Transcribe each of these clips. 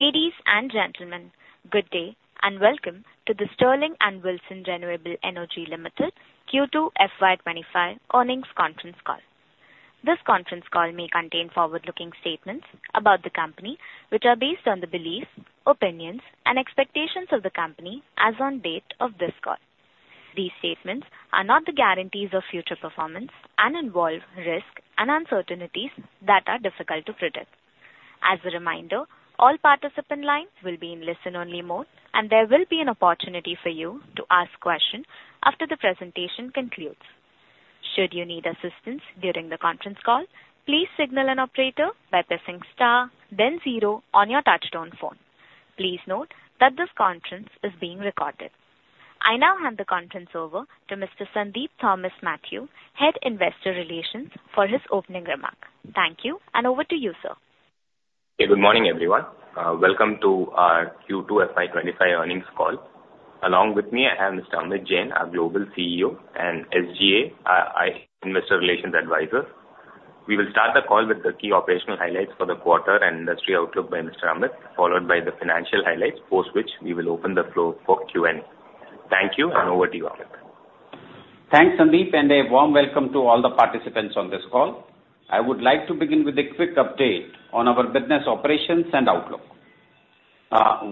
Ladies and gentlemen, good day, and welcome to the Sterling and Wilson Renewable Energy Limited Q2 FY 2025 Earnings Conference Call. This conference call may contain forward-looking statements about the company, which are based on the beliefs, opinions, and expectations of the company as on date of this call. These statements are not the guarantees of future performance and involve risk and uncertainties that are difficult to predict. As a reminder, all participant lines will be in listen-only mode, and there will be an opportunity for you to ask questions after the presentation concludes. Should you need assistance during the conference call, please signal an operator by pressing star then zero on your touchtone phone. Please note that this conference is being recorded. I now hand the conference over to Mr. Sandeep Thomas Mathew, Head Investor Relations, for his opening remark. Thank you, and over to you, sir. Hey, good morning, everyone. Welcome to our Q2 FY 2025 Earnings Call. Along with me, I have Mr. Amit Jain, our Global CEO, and SGA, Investor Relations Advisor. We will start the call with the key operational highlights for the quarter and industry outlook by Mr. Amit, followed by the financial highlights, post which we will open the floor for Q&A. Thank you, and over to you, Amit. Thanks, Sandeep, and a warm welcome to all the participants on this call. I would like to begin with a quick update on our business operations and outlook.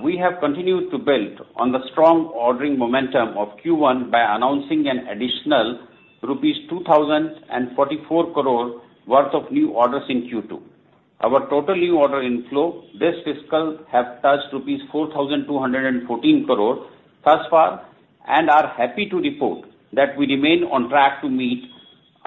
We have continued to build on the strong ordering momentum of Q1 by announcing an additional rupees 2,044 crore worth of new orders in Q2. Our total new order inflow this fiscal have touched 4,214 crore rupees thus far, and are happy to report that we remain on track to meet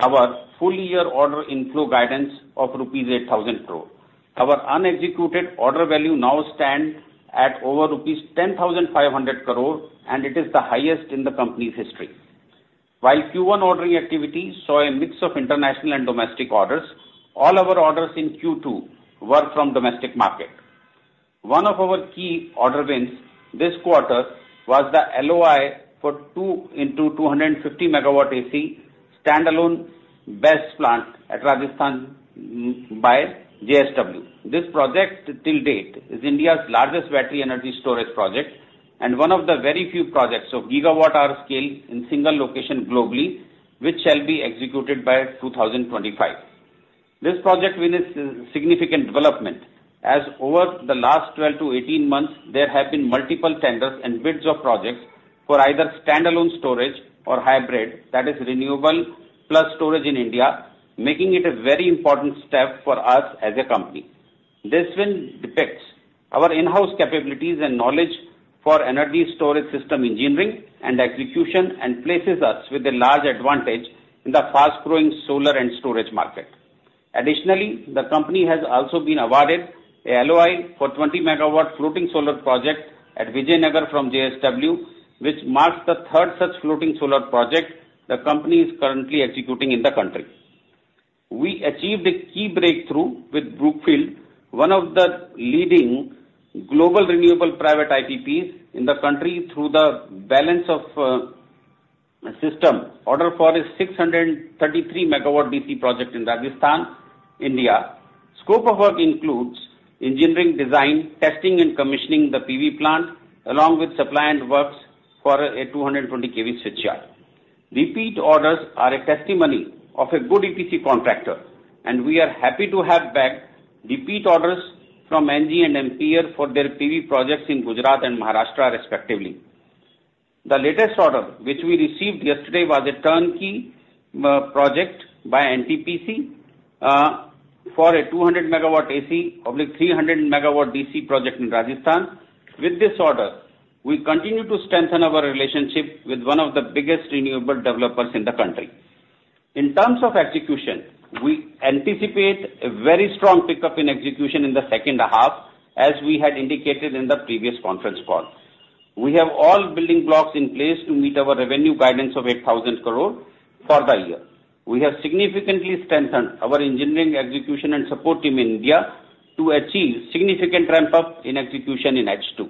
our full year order inflow guidance of 8,000 crore rupees. Our unexecuted order value now stand at over 10,500 crore rupees, and it is the highest in the company's history. While Q1 ordering activity saw a mix of international and domestic orders, all our orders in Q2 were from domestic market. One of our key order wins this quarter was the LOI for 2 x 250 MW AC standalone BESS plant at Rajasthan by JSW. This project to date is India's largest battery energy storage project, and one of the very few projects of gigawatt-hour scale in a single location globally, which shall be executed by 2025. This project win is a significant development, as over the last 12-18 months, there have been multiple tenders and bids of projects for either standalone storage or hybrid, that is renewable plus storage in India, making it a very important step for us as a company. This win depicts our in-house capabilities and knowledge for energy storage system engineering and execution, and places us with a large advantage in the fast-growing solar and storage market. Additionally, the company has also been awarded a LOI for a 20 MW floating solar project at Vijayanagar from JSW, which marks the third such floating solar project the company is currently executing in the country. We achieved a key breakthrough with Brookfield, one of the leading global renewable private IPPs in the country, through the balance of system order for a 633 MW DC project in Rajasthan, India. Scope of work includes engineering, design, testing and commissioning the PV plant, along with supply and works for a 220 kV switchyard. Repeat orders are a testimony of a good EPC contractor, and we are happy to have bagged repeat orders from NG and NPR for their PV projects in Gujarat and Maharashtra, respectively. The latest order, which we received yesterday, was a turnkey project by NTPC for a 200 MW AC, obviously 300 MW DC project in Rajasthan. With this order, we continue to strengthen our relationship with one of the biggest renewable developers in the country. In terms of execution, we anticipate a very strong pickup in execution in the second half, as we had indicated in the previous conference call. We have all building blocks in place to meet our revenue guidance of 8,000 crore for the year. We have significantly strengthened our engineering, execution, and support team in India to achieve significant ramp-up in execution in H2.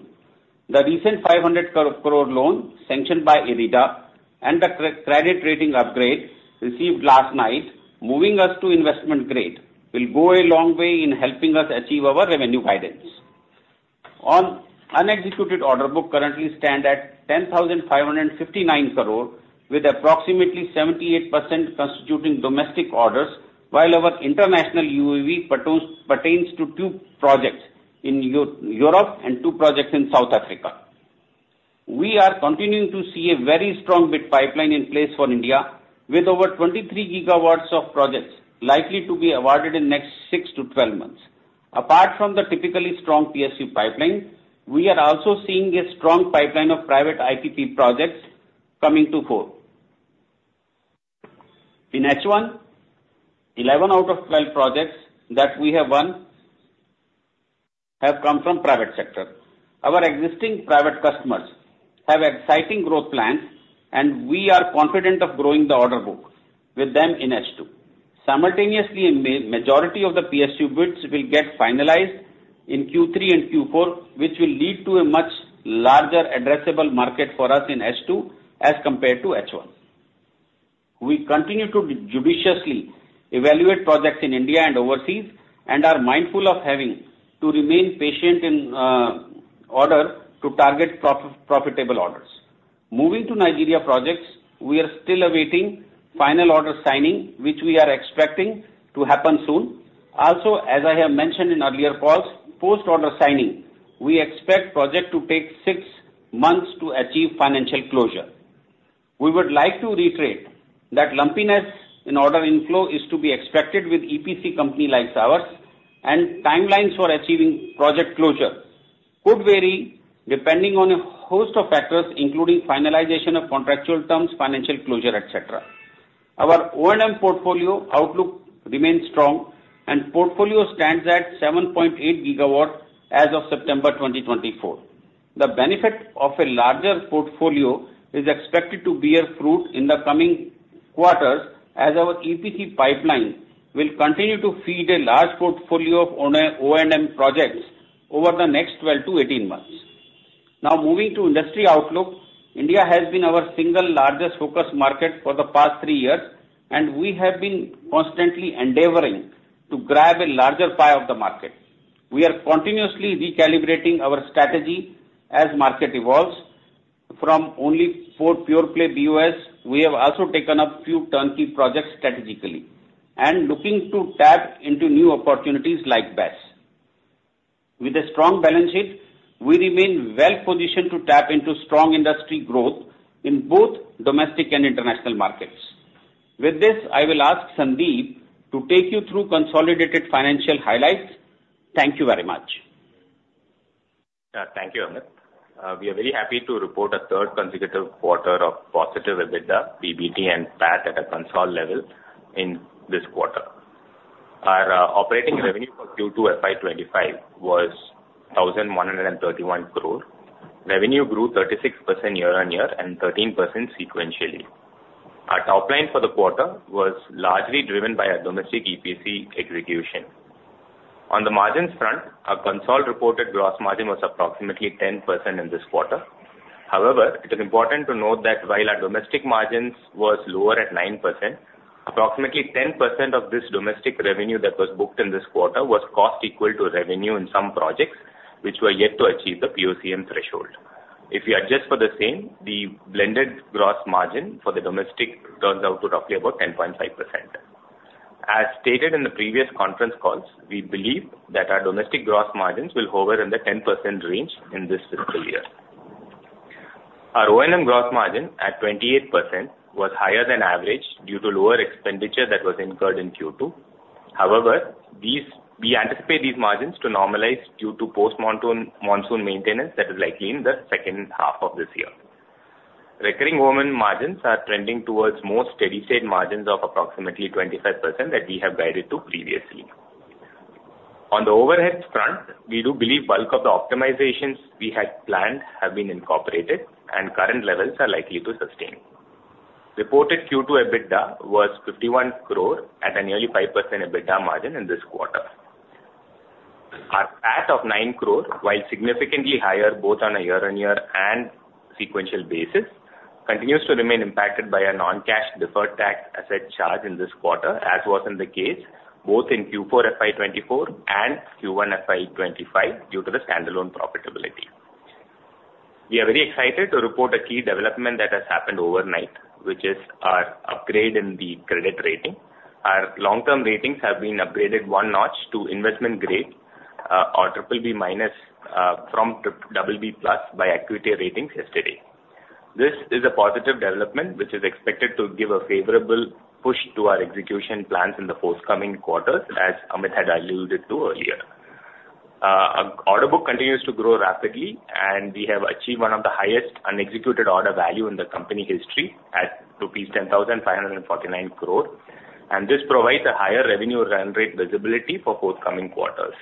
The recent 500 crore loan, sanctioned by IREDA and the credit rating upgrade received last night, moving us to investment grade, will go a long way in helping us achieve our revenue guidance. Our unexecuted order book currently stands at 10,559 crore, with approximately 78% constituting domestic orders, while our international unexecuted portfolio pertains to two projects in Europe and two projects in South Africa. We are continuing to see a very strong bid pipeline in place for India, with over 23 GW of projects likely to be awarded in next 6-12 months. Apart from the typically strong PSU pipeline, we are also seeing a strong pipeline of private IPP projects coming to fore. In H1, 11 out of 12 projects that we have won have come from private sector. Our existing private customers have exciting growth plans, and we are confident of growing the order book with them in H2. Simultaneously, a majority of the PSU bids will get finalized in Q3 and Q4, which will lead to a much larger addressable market for us in H2 as compared to H1. We continue to judiciously evaluate projects in India and overseas, and are mindful of having to remain patient in order to target profitable orders. Moving to Nigeria projects, we are still awaiting final order signing, which we are expecting to happen soon. Also, as I have mentioned in earlier calls, post-order signing, we expect project to take six months to achieve financial closure. We would like to reiterate that lumpiness in order inflow is to be expected with EPC company like ours, and timelines for achieving project closure could vary depending on a host of factors, including finalization of contractual terms, financial closure, et cetera. Our O&M portfolio outlook remains strong and portfolio stands at 7.8 GW as of September 2024. The benefit of a larger portfolio is expected to bear fruit in the coming quarters, as our EPC pipeline will continue to feed a large portfolio of ongoing O&M projects over the next 12-18 months. Now, moving to industry outlook. India has been our single largest focus market for the past three years, and we have been constantly endeavoring to grab a larger pie of the market. We are continuously recalibrating our strategy as market evolves. From only four pure play BOS, we have also taken up few turnkey projects strategically and looking to tap into new opportunities like BESS. With a strong balance sheet, we remain well positioned to tap into strong industry growth in both domestic and international markets. With this, I will ask Sandeep to take you through consolidated financial highlights. Thank you very much. Thank you, Amit. We are very happy to report a third consecutive quarter of positive EBITDA, PBT and PAT at a consolidated level in this quarter. Our operating revenue for Q2 FY 2025 was 1,131 crore. Revenue grew 36% year-on-year and 13% sequentially. Our top line for the quarter was largely driven by our domestic EPC execution. On the margins front, our consolidated reported gross margin was approximately 10% in this quarter. However, it is important to note that while our domestic margins was lower at 9%, approximately 10% of this domestic revenue that was booked in this quarter was cost equal to revenue in some projects, which were yet to achieve the POCM threshold. If you adjust for the same, the blended gross margin for the domestic turns out to roughly about 10.5%. As stated in the previous conference calls, we believe that our domestic gross margins will hover in the 10% range in this fiscal year. Our O&M gross margin at 28% was higher than average due to lower expenditure that was incurred in Q2. However, we anticipate these margins to normalize due to post-monsoon maintenance that is likely in the second half of this year. Recurring O&M margins are trending towards more steady state margins of approximately 25% that we have guided to previously. On the overheads front, we do believe bulk of the optimizations we had planned have been incorporated, and current levels are likely to sustain. Reported Q2 EBITDA was 51 crore at a nearly 5% EBITDA margin in this quarter. Our PAT of 9 crore, while significantly higher, both on a year-on-year and sequential basis, continues to remain impacted by a non-cash deferred tax asset charge in this quarter, as was in the case, both in Q4 FY 2024 and Q1 FY 2025, due to the standalone profitability. We are very excited to report a key development that has happened overnight, which is our upgrade in the credit rating. Our long-term ratings have been upgraded one notch to investment grade, or triple B-, from double B+ by Acuité Ratings yesterday. This is a positive development, which is expected to give a favorable push to our execution plans in the forthcoming quarters, as Amit had alluded to earlier. Our order book continues to grow rapidly, and we have achieved one of the highest unexecuted order value in the company history at rupees 10,549 crore, and this provides a higher revenue run rate visibility for forthcoming quarters.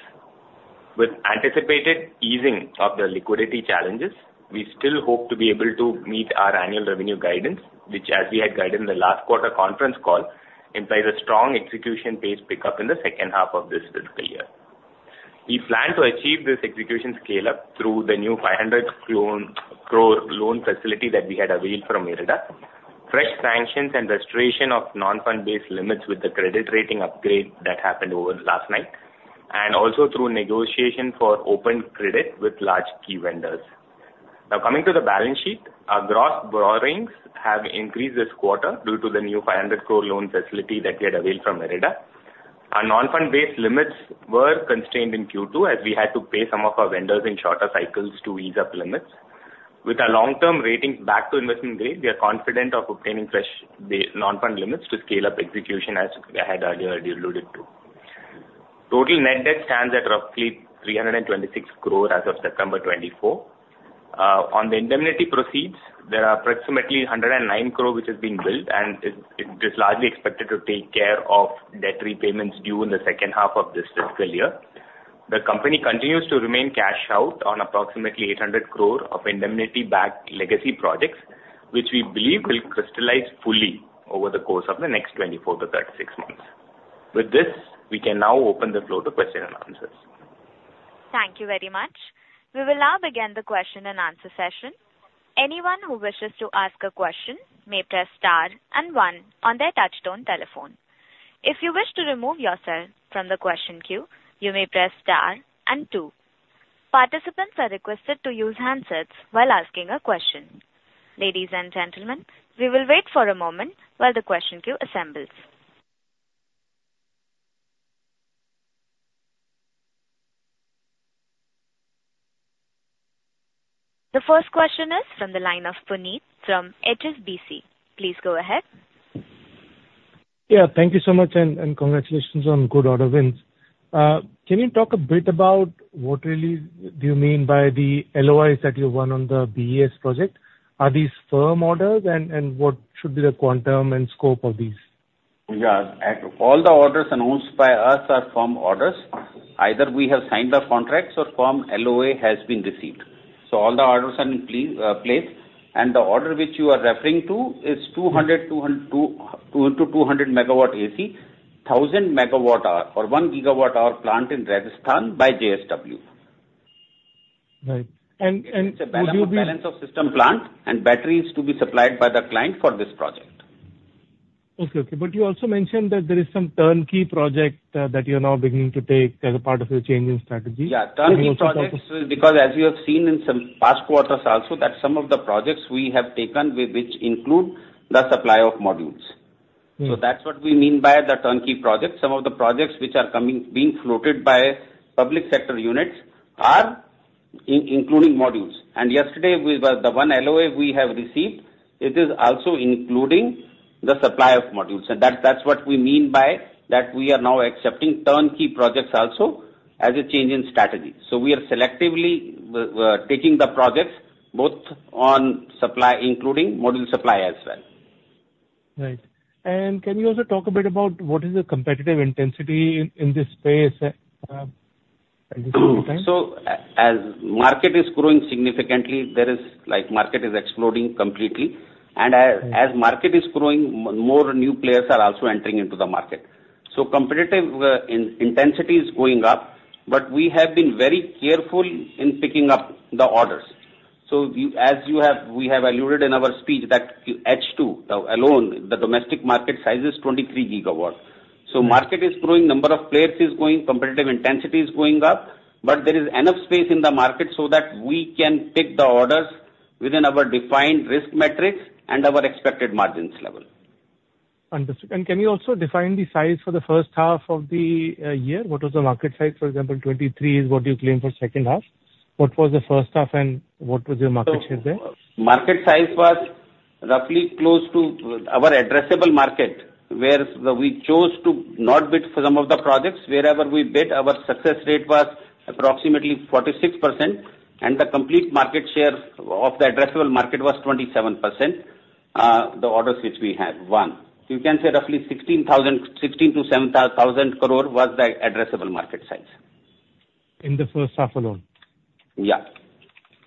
With anticipated easing of the liquidity challenges, we still hope to be able to meet our annual revenue guidance, which, as we had guided in the last quarter conference call, implies a strong execution pace pick up in the second half of this fiscal year. We plan to achieve this execution scale-up through the new 500 crore loan facility that we had availed from IREDA, fresh sanctions and restoration of non-fund based limits with the credit rating upgrade that happened overnight, and also through negotiation for open credit with large key vendors. Now, coming to the balance sheet, our gross borrowings have increased this quarter due to the new 500 crore loan facility that we had availed from IREDA. Our non-fund based limits were constrained in Q2, as we had to pay some of our vendors in shorter cycles to ease up limits. With our long-term rating back to investment grade, we are confident of obtaining fresh non-fund limits to scale up execution, as I had earlier alluded to. Total net debt stands at roughly 326 crore as of September 2024. On the indemnity proceeds, there are approximately 109 crore, which is being built, and it is largely expected to take care of debt repayments due in the second half of this fiscal year. The company continues to remain cash out on approximately 800 crore of indemnity-backed legacy projects, which we believe will crystallize fully over the course of the next 24-36 months. With this, we can now open the floor to question and answers. Thank you very much. We will now begin the question and answer session. Anyone who wishes to ask a question may press star and one on their touchtone telephone. If you wish to remove yourself from the question queue, you may press star and two. Participants are requested to use handsets while asking a question. Ladies and gentlemen, we will wait for a moment while the question queue assembles. The first question is from the line of Puneet from HSBC. Please go ahead. Yeah, thank you so much, and congratulations on good order wins. Can you talk a bit about what really do you mean by the LOIs that you won on the BESS project? Are these firm orders, and what should be the quantum and scope of these? Yeah. All the orders announced by us are firm orders. Either we have signed the contracts or firm LOA has been received. So all the orders are in place, and the order which you are referring to is 2 x 200 MW AC, 1,000 MW hour or 1 GWh plant in Rajasthan by JSW. Right. And would you be? It's a balance of system plant and batteries to be supplied by the client for this project. Okay, okay, but you also mentioned that there is some turnkey project that you're now beginning to take as a part of your changing strategy. Yeah. Can you also talk about? Turnkey projects, because as you have seen in some past quarters also, that some of the projects we have taken with which include the supply of modules. So that's what we mean by the turnkey projects. Some of the projects which are coming, being floated by public sector units are including modules. And yesterday, the one LOA we have received, it is also including the supply of modules. And that's what we mean by that we are now accepting turnkey projects also as a change in strategy. So we are selectively taking the projects both on supply, including module supply as well. Right. And can you also talk a bit about what is the competitive intensity in this space at this point in time? So as market is growing significantly, there is, like, market is exploding completely. And as market is growing, more new players are also entering into the market. So competitive intensity is going up, but we have been very careful in picking up the orders. So, as you have, we have alluded in our speech that H2 alone, the domestic market size is 23 GW. So market is growing, number of players is growing, competitive intensity is going up, but there is enough space in the market so that we can take the orders within our defined risk metrics and our expected margins level. Understood. And can you also define the size for the first half of the year? What was the market size? For example, 2023 is what you claimed for second half. What was the first half, and what was your market share there? So market size was roughly close to our addressable market, where we chose to not bid for some of the projects. Wherever we bid, our success rate was approximately 46%, and the complete market share of the addressable market was 27%, the orders which we have won. You can say roughly 16,000-17,000 crore was the addressable market size. In the first half alone? Yeah.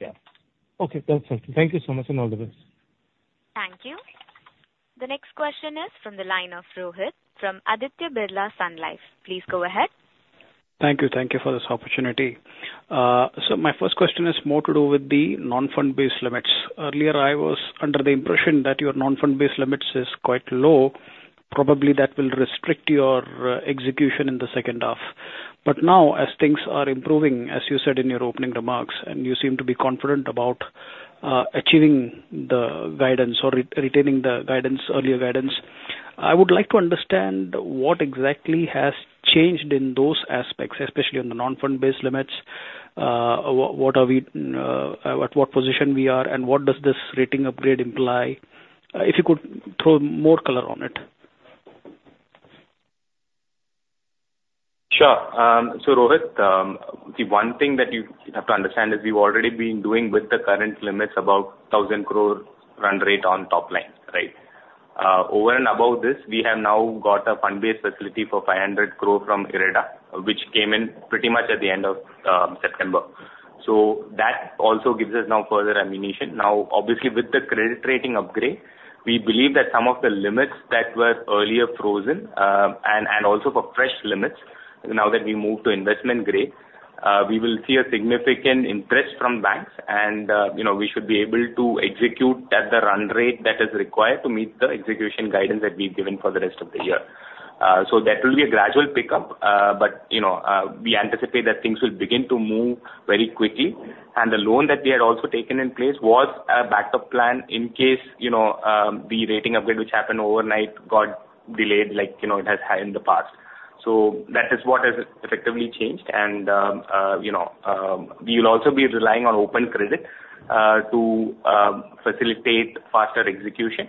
Yeah. Okay, perfect. Thank you so much, and all the best. Thank you. The next question is from the line of Rohit from Aditya Birla Sun Life. Please go ahead. Thank you. Thank you for this opportunity. So my first question is more to do with the non-fund based limits. Earlier, I was under the impression that your non-fund based limits is quite low, probably that will restrict your execution in the second half. But now, as things are improving, as you said in your opening remarks, and you seem to be confident about achieving the guidance or retaining the guidance, earlier guidance, I would like to understand what exactly has changed in those aspects, especially on the non-fund based limits. What position we are at, and what does this rating upgrade imply? If you could throw more color on it. Sure. So Rohit, the one thing that you have to understand is we've already been doing with the current limits, about 1,000 crore run rate on top line, right? Over and above this, we have now got a fund-based facility for 500 crore from IREDA, which came in pretty much at the end of September. So that also gives us now further ammunition. Now, obviously, with the credit rating upgrade, we believe that some of the limits that were earlier frozen, and also for fresh limits, now that we move to investment grade, we will see a significant interest from banks, and you know, we should be able to execute at the run rate that is required to meet the execution guidance that we've given for the rest of the year. So that will be a gradual pickup, but, you know, we anticipate that things will begin to move very quickly. And the loan that we had also taken in place was a backup plan in case, you know, the rating upgrade, which happened overnight, got delayed, like, you know, it has in the past. So that is what has effectively changed. And, you know, we will also be relying on open credit to facilitate faster execution.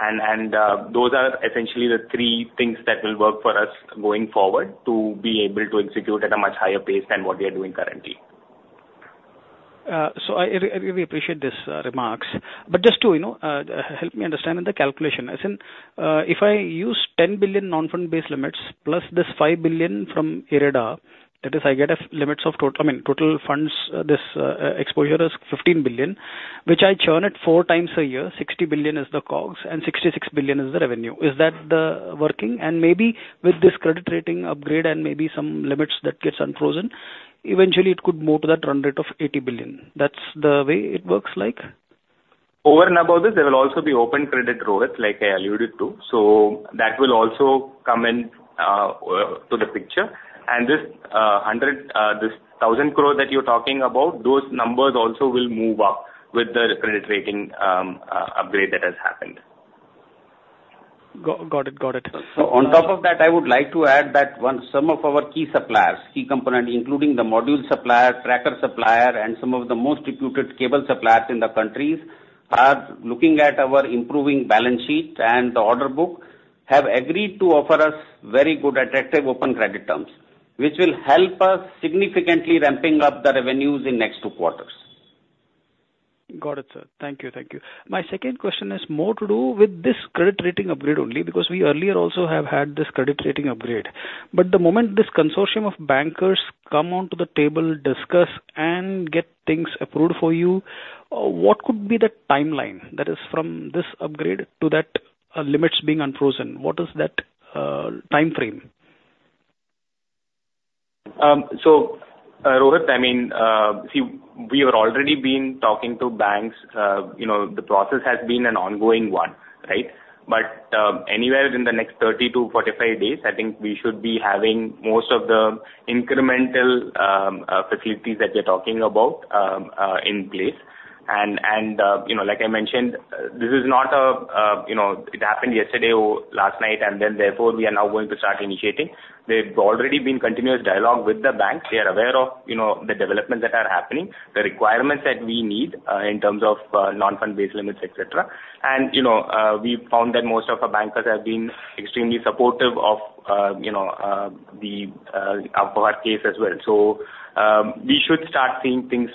And those are essentially the three things that will work for us going forward to be able to execute at a much higher pace than what we are doing currently. So I really appreciate this remarks, but just to, you know, help me understand in the calculation. As in, if I use 10 billion non-fund based limits, plus this 5 billion from IREDA, that is, I get limits of, I mean, total funds, this exposure is 15 billion, which I churn it four times a year, 60 billion is the COGS and 66 billion is the revenue. Is that working? Maybe with this credit rating upgrade and maybe some limits that gets unfrozen, eventually it could move to that run rate of 80 billion. That's the way it works like? Over and above this, there will also be open credit growth, like I alluded to. So that will also come in to the picture, and this hundred, this 1,000 crore that you're talking about, those numbers also will move up with the credit rating upgrade that has happened. Got it. So on top of that, I would like to add that some of our key suppliers, key component, including the module supplier, tracker supplier, and some of the most reputed cable suppliers in the countries, are looking at our improving balance sheet and the order book, have agreed to offer us very good, attractive open credit terms, which will help us significantly ramping-up the revenues in next two quarters. Got it, sir. Thank you. Thank you. My second question is more to do with this credit rating upgrade only because we earlier also have had this credit rating upgrade. But the moment this consortium of bankers come on to the table, discuss and get things approved for you, what could be the timeline that is from this upgrade to that limits being unfrozen? What is that timeframe? So, Rohit, I mean, see, we have already been talking to banks. You know, the process has been an ongoing one, right? But, anywhere in the next 30-45 days, I think we should be having most of the incremental facilities that we are talking about in place. And you know, like I mentioned, this is not a, you know, it happened yesterday or last night, and then therefore, we are now going to start initiating. There's already been continuous dialogue with the banks. They are aware of, you know, the developments that are happening, the requirements that we need in terms of non-fund based limits, et cetera. You know, we found that most of our bankers have been extremely supportive of our case as well. So, we should start seeing things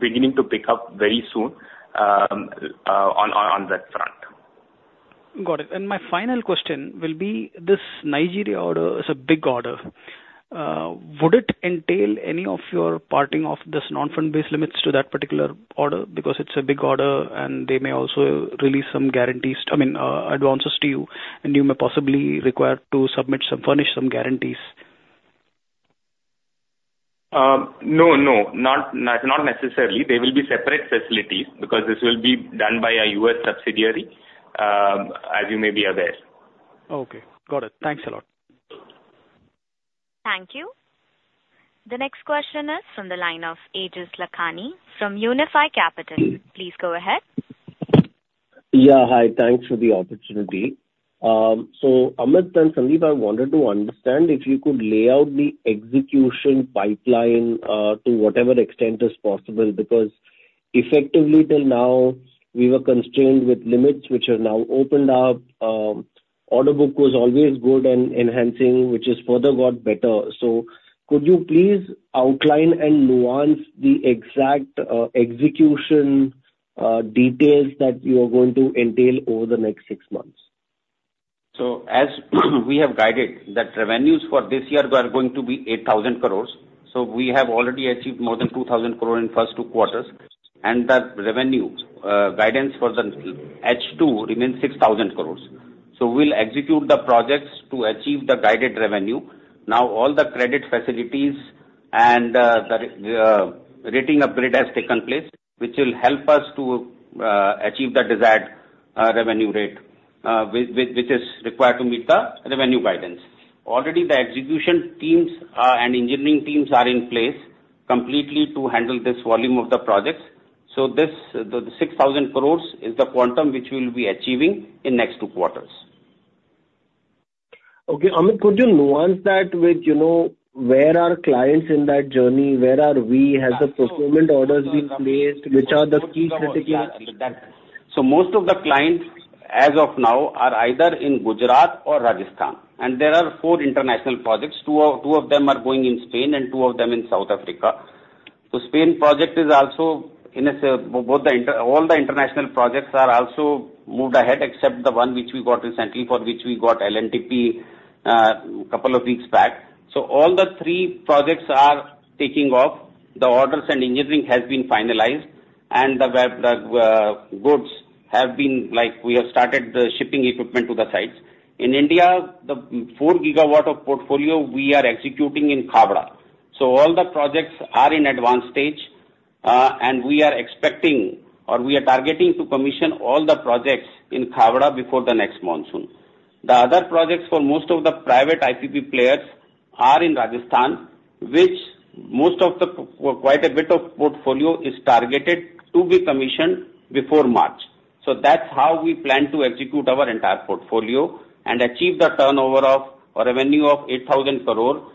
beginning to pick up very soon on that front. Got it. And my final question will be, this Nigeria order is a big order. Would it entail any of your parting of this non-fund based limits to that particular order? Because it's a big order, and they may also release some guarantees, I mean, advances to you, and you may possibly require to submit some furnish some guarantees. No, no, not necessarily. They will be separate facilities, because this will be done by a U.S. subsidiary, as you may be aware. Okay, got it. Thanks a lot. Thank you. The next question is from the line of Aejas Lakhani from Unifi Capital. Please go ahead. Yeah, hi. Thanks for the opportunity. So, Amit and Sandeep, I wanted to understand if you could lay out the execution pipeline, to whatever extent is possible, because effectively till now, we were constrained with limits which are now opened up. Order book was always good and enhancing, which has further got better. So could you please outline and nuance the exact execution details that you are going to entail over the next six months? As we have guided, that revenues for this year were going to be 8,000 crore. We have already achieved more than 2,000 crore in first two quarters, and the revenue guidance for the H2 remains 6,000 crore. We'll execute the projects to achieve the guided revenue. Now, all the credit facilities and the rating upgrade has taken place, which will help us to achieve the desired revenue rate, which is required to meet the revenue guidance. Already the execution teams and engineering teams are in place completely to handle this volume of the projects. This, the 6,000 crore, is the quantum which we'll be achieving in next two quarters. Okay, Amit, could you nuance that with, you know, where are clients in that journey? Where are we? Has the procurement orders been placed? Which are the key strategies? Most of the clients, as of now, are either in Gujarat or Rajasthan, and there are four international projects. Two of them are going in Spain, and two of them in South Africa. All the international projects are also moved ahead, except the one which we got recently, for which we got LNTP a couple of weeks back. All the three projects are taking off. The orders and engineering has been finalized, and the goods have been, like, we have started the shipping equipment to the sites. In India, the four gigawatt of portfolio we are executing in Khavda. All the projects are in advanced stage, and we are expecting or we are targeting to commission all the projects in Khavda before the next monsoon. The other projects for most of the private IPP players are in Rajasthan, which most of the, quite a bit of portfolio is targeted to be commissioned before March, so that's how we plan to execute our entire portfolio and achieve the turnover of, or revenue of 8,000 crore,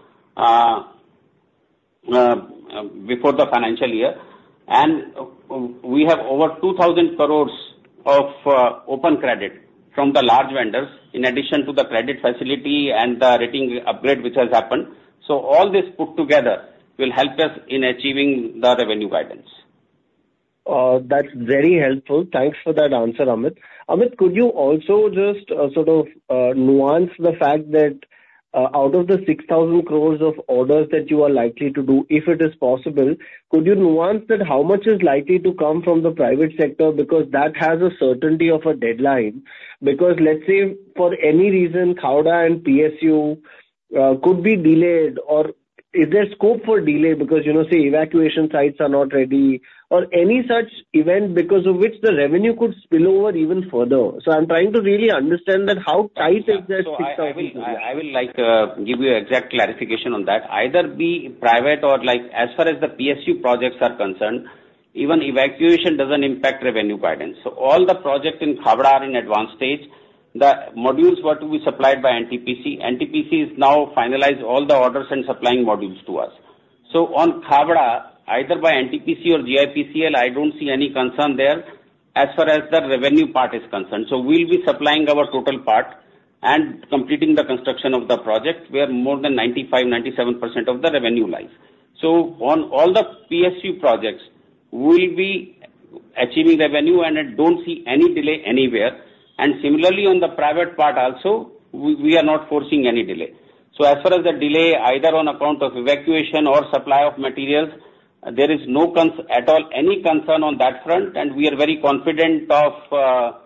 before the financial year, and we have over 2,000 crores of open credit from the large vendors, in addition to the credit facility and the rating upgrade, which has happened, so all this put together will help us in achieving the revenue guidance. That's very helpful. Thanks for that answer, Amit. Amit, could you also just, sort of, nuance the fact that, out of the 6,000 crores of orders that you are likely to do, if it is possible, could you nuance that how much is likely to come from the private sector? Because that has a certainty of a deadline. Because let's say, for any reason, Khavda and PSU could be delayed, or is there scope for delay because, you know, say, evacuation sites are not ready or any such event because of which the revenue could spill over even further. So I'm trying to really understand that how tight is that 6,000. So I will, like, give you exact clarification on that. Either be private or like, as far as the PSU projects are concerned, even evacuation doesn't impact revenue guidance. All the projects in Khavda are in advanced stage. The modules were to be supplied by NTPC. NTPC has now finalized all the orders and supplying modules to us. So on Khavda, either by NTPC or GIPCL, I don't see any concern there as far as the revenue part is concerned. So we'll be supplying our total part and completing the construction of the project. We are more than 95%-97% of the revenue line. So on all the PSU projects, we'll be achieving revenue, and I don't see any delay anywhere. And similarly, on the private part also, we are not foreseen any delay. So as far as the delay, either on account of evacuation or supply of materials, there is no concern at all on that front, and we are very confident of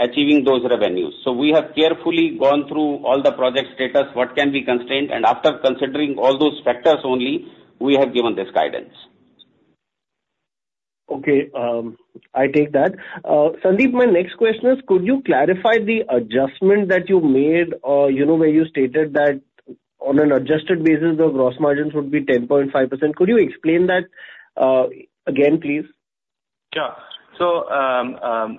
achieving those revenues. So we have carefully gone through all the project status, what can be constrained, and after considering all those factors only, we have given this guidance. Okay, I take that. Sandeep, my next question is, could you clarify the adjustment that you made, you know, where you stated that on an adjusted basis, the gross margins would be 10.5%. Could you explain that, again, please? Yeah. So,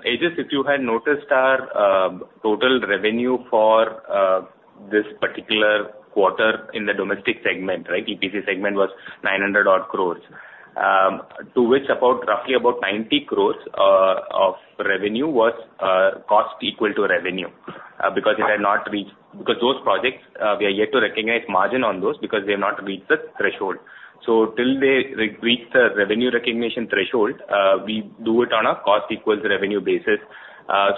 Aegis, if you had noticed our total revenue for this particular quarter in the domestic segment, right, EPC segment was 900-odd crore, to which about 90 crore of revenue was cost equal to revenue, because they had not reached the threshold. Because those projects, we are yet to recognize margin on those because they have not reached the threshold. So till they reach the revenue recognition threshold, we do it on a cost equals revenue basis.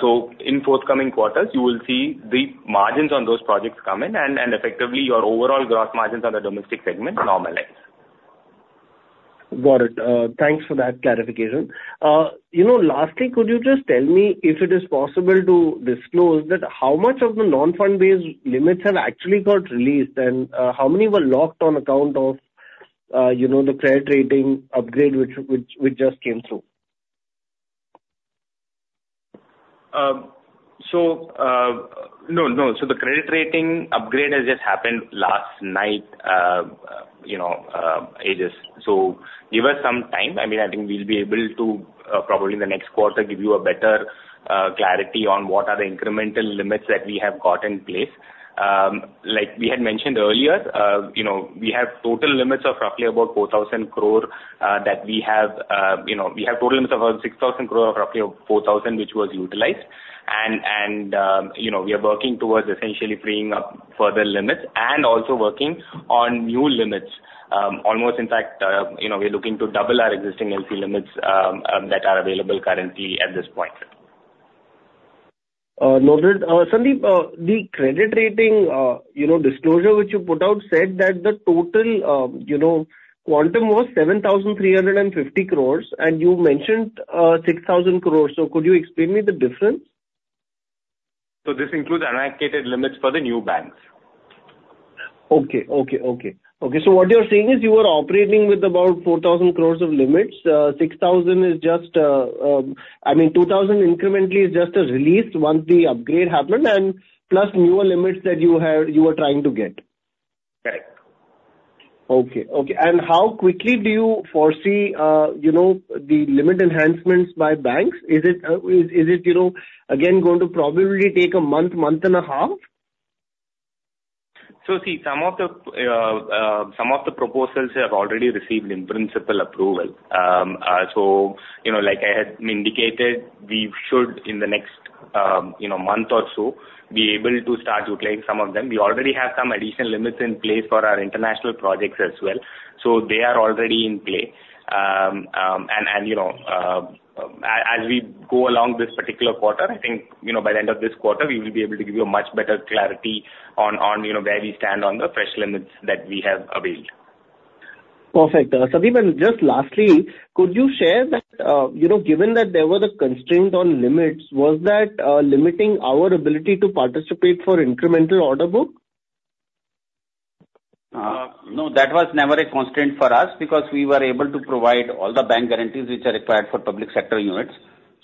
So in forthcoming quarters, you will see the margins on those projects come in and effectively, your overall gross margins on the domestic segment normalize. Got it. Thanks for that clarification. You know, lastly, could you just tell me, if it is possible to disclose, that how much of the non-fund based limits have actually got released, and, you know, the credit rating upgrade which just came through? No, no. So the credit rating upgrade has just happened last night, you know, Acuité. So give us some time. I mean, I think we'll be able to probably in the next quarter give you a better clarity on what are the incremental limits that we have got in place. Like we had mentioned earlier, you know, we have total limits of roughly about 4,000 crore that we have, you know, we have total limits of around 6,000 crore, of roughly of 4,000, which was utilized. And, and, you know, we are working towards essentially freeing up further limits and also working on new limits. Almost in fact, you know, we're looking to double our existing LC limits that are available currently at this point. Noted. Sandeep, the credit rating, you know, disclosure which you put out said that the total, you know, quantum was 7,350 crores, and you mentioned 6,000 crores. So could you explain me the difference? So this includes allocated limits for the new banks. Okay, so what you're saying is you are operating with about 4,000 crores of limits. Six thousand is just, I mean, 2,000 incrementally is just a release once the upgrade happened, and plus newer limits that you had, you are trying to get? Correct. Okay, okay. And how quickly do you foresee, you know, the limit enhancements by banks? Is it, you know, again, going to probably take a month, month and a half? So see, some of the proposals have already received in-principle approval. So, you know, like I had indicated, we should, in the next, you know, month or so, be able to start utilizing some of them. We already have some additional limits in place for our international projects as well, so they are already in play. As we go along this particular quarter, I think, you know, by the end of this quarter, we will be able to give you a much better clarity on, you know, where we stand on the fresh limits that we have availed. Perfect. Sandeep, and just lastly, could you share that, you know, given that there were the constraints on limits, was that limiting our ability to participate for incremental order book? No, that was never a constraint for us, because we were able to provide all the bank guarantees which are required for public sector units.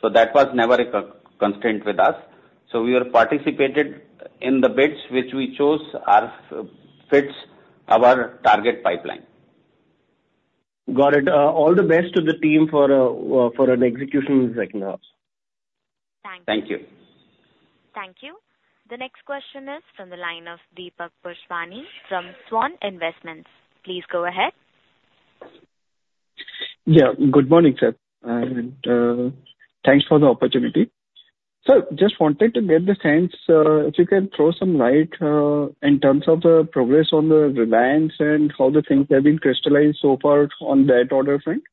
So that was never a constraint with us. So we are participated in the bids, which we chose, fits our target pipeline. Got it. All the best to the team for an execution right now. Thank you. Thank you. Thank you. The next question is from the line of Deepak Purswani from Swan Investments. Please go ahead. Yeah, good morning, sir, and thanks for the opportunity. Sir, just wanted to get the sense, if you can throw some light, in terms of the progress on the Reliance and how the things have been crystallized so far on that order front?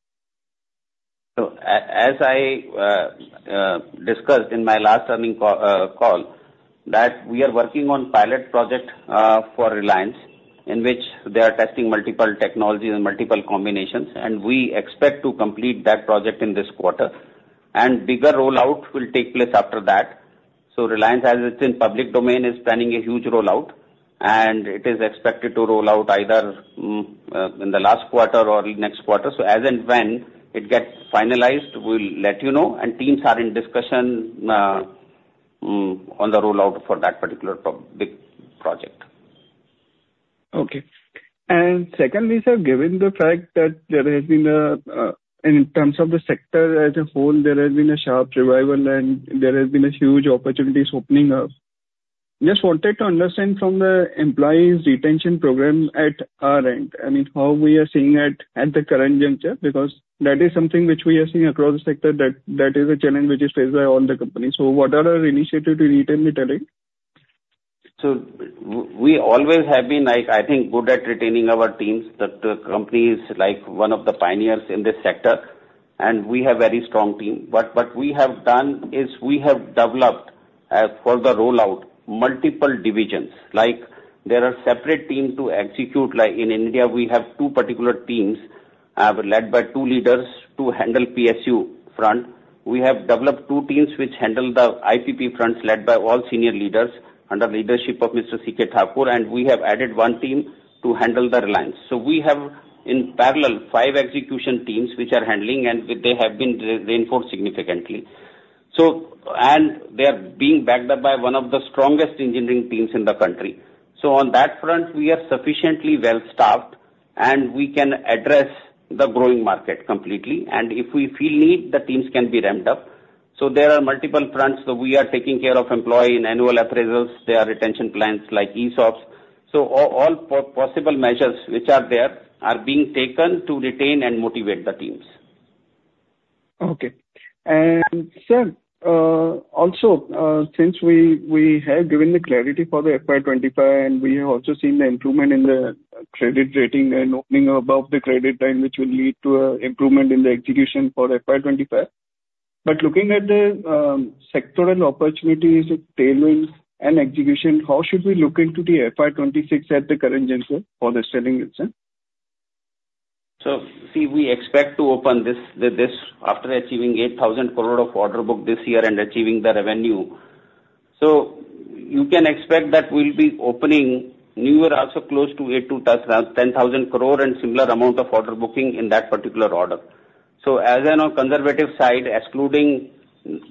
As I discussed in my last earnings call, we are working on a pilot project for Reliance, in which they are testing multiple technologies and multiple combinations, and we expect to complete that project in this quarter. A bigger rollout will take place after that. Reliance, as it's in public domain, is planning a huge rollout, and it is expected to roll out either in the last quarter or in next quarter. As and when it gets finalized, we'll let you know, and teams are in discussion on the rollout for that particular big project. Okay. And secondly, sir, given the fact that there has been a, in terms of the sector as a whole, there has been a sharp revival and there has been a huge opportunities opening up. Just wanted to understand from the employees' retention program at our end, I mean, how we are seeing it at the current juncture, because that is something which we are seeing across the sector, that is a challenge which is faced by all the companies. What are our initiative to retain the talent? So we always have been, I think, good at retaining our teams. The company is like one of the pioneers in this sector, and we have very strong team. But what we have done is we have developed, for the rollout, multiple divisions. Like, there are separate team to execute, like in India, we have two particular teams, led by two leaders to handle PSU front. We have developed two teams which handle the IPP fronts, led by all senior leaders under leadership of Mr. C.K. Thakur, and we have added one team to handle the Reliance. So we have, in parallel, five execution teams which are handling, and they have been reinforced significantly. So and they are being backed up by one of the strongest engineering teams in the country. So on that front, we are sufficiently well-staffed, and we can address the growing market completely, and if we feel the need, the teams can be ramped-up. So there are multiple fronts that we are taking care of employees in annual appraisals. There are retention plans like ESOPs. So all possible measures which are there are being taken to retain and motivate the teams. Okay. And, sir, also, since we have given the clarity for the FY 2025, and we have also seen the improvement in the credit rating and opening above the credit line, which will lead to improvement in the execution for FY 2025. But looking at the sectoral opportunities with tailwinds and execution, how should we look into the FY 2026 at the current juncture for the selling itself? See, we expect to open this after achieving 8,000 crore of order book this year and achieving the revenue. You can expect that we'll be opening newer also close to 8,000-10,000 crore and similar amount of order booking in that particular order. As on a conservative side, excluding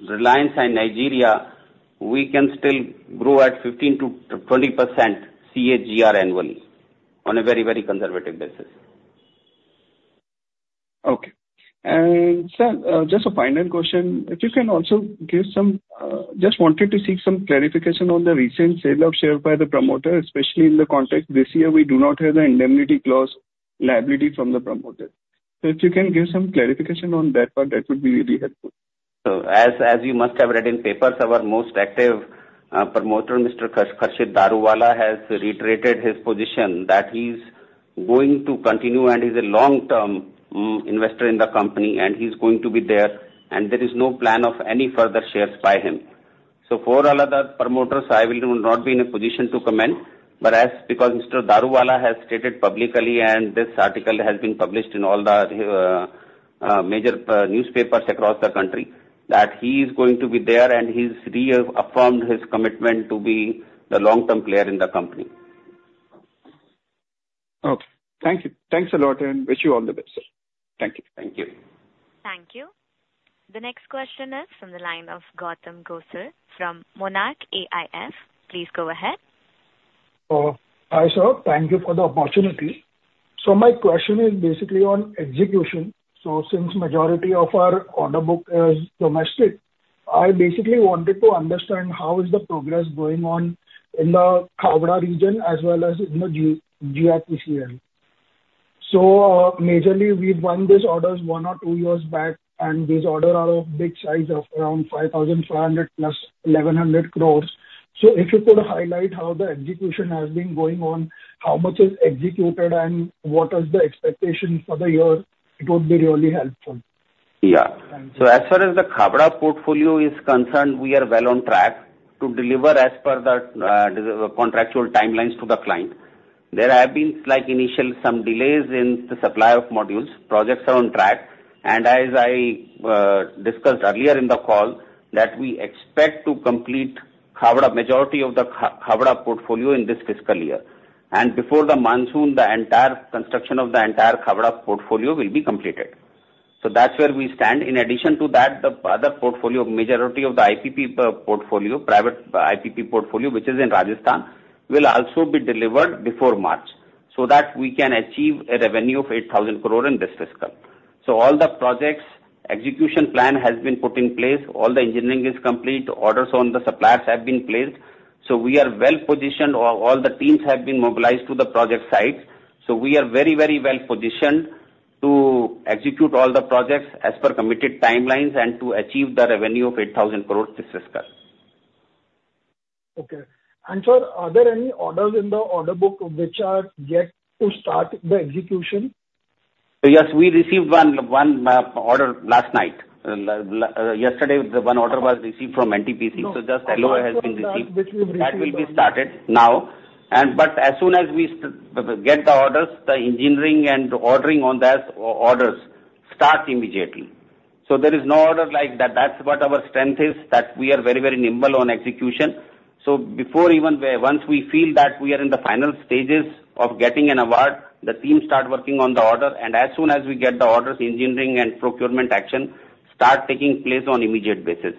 Reliance and Nigeria, we can still grow at 15%-20% CAGR annually on a very, very conservative basis. Okay. And, sir, just a final question. If you can also give some. Just wanted to seek some clarification on the recent sale of shares by the promoter, especially in the context this year, we do not have the indemnity clause liability from the promoter. So if you can give some clarification on that part, that would be really helpful. So as you must have read in papers, our most active promoter, Mr. Khurshed Daruvala, has reiterated his position that he's going to continue, and he's a long-term investor in the company, and he's going to be there, and there is no plan of any further shares by him. So for all other promoters, I will not be in a position to comment, but as, because Mr. Daruvala has stated publicly, and this article has been published in all the major newspapers across the country, that he is going to be there, and he's re-affirmed his commitment to be the long-term player in the company. Okay. Thank you. Thanks a lot, and wish you all the best, sir. Thank you. Thank you. Thank you. The next question is from the line of Gautam Gosar from Monarch AIF. Please go ahead. Hi, sir. Thank you for the opportunity. So my question is basically on execution. So since majority of our order book is domestic, I basically wanted to understand how is the progress going on in the Khavda region as well as in the GIPCL. So, majorly, we've won these orders one or two years back, and these orders are of big size, of around 5,500+ 1,100 crores. So if you could highlight how the execution has been going on, how much is executed, and what is the expectation for the year, it would be really helpful. Yeah. Thank you. As far as the Khavda portfolio is concerned, we are well on track to deliver as per the contractual timelines to the client. There have been slight initial, some delays in the supply of modules. Projects are on track, and as I discussed earlier in the call, that we expect to complete Khavda, majority of the Khavda portfolio in this fiscal year. Before the monsoon, the entire construction of the entire Khavda portfolio will be completed. That's where we stand. In addition to that, the other portfolio, majority of the IPP portfolio, private IPP portfolio, which is in Rajasthan, will also be delivered before March, so that we can achieve a revenue of 8,000 crore in this fiscal. So all the projects, execution plan has been put in place, all the engineering is complete, orders on the suppliers have been placed. So we are well positioned, all the teams have been mobilized to the project sites, so we are very, very well positioned to execute all the projects as per committed timelines and to achieve the revenue of 8,000 crore this fiscal. Okay. And sir, are there any orders in the order book which are yet to start the execution? Yes, we received one order last night. Yesterday, the one order was received from NTPC. No, order after that which you've received. Just LOI has been received. That will be started now, and but as soon as we get the orders, the engineering and ordering on that orders start immediately. There is no order like that. That's what our strength is, that we are very, very nimble on execution. Before even once we feel that we are in the final stages of getting an award, the team start working on the order, and as soon as we get the orders, engineering and procurement action start taking place on immediate basis.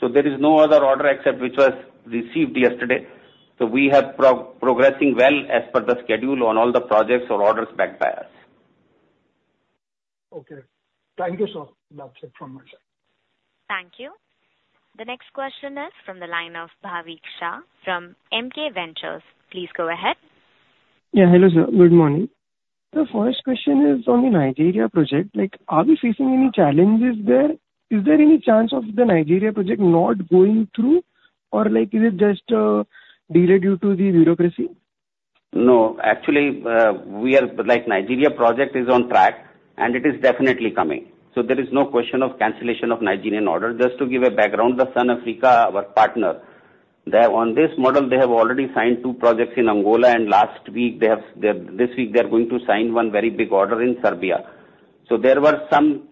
There is no other order except which was received yesterday. We are progressing well as per the schedule on all the projects or orders backed by us. Okay. Thank you, sir. That's it from my side. Thank you. The next question is from the line of Bhavik Shah from MK Ventures. Please go ahead. Yeah, hello, sir. Good morning. The first question is on the Nigeria project. Like, are we facing any challenges there? Is there any chance of the Nigeria project not going through, or like, is it just delayed due to the bureaucracy? No, actually, we are. Like, Nigeria project is on track, and it is definitely coming. So there is no question of cancellation of Nigerian order. Just to give a background, the Sun Africa, our partner, they, on this model, they have already signed two projects in Angola, and last week they have this week they are going to sign one very big order in Serbia. So there were some,